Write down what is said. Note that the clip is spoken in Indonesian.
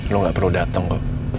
lu gak perlu dateng kok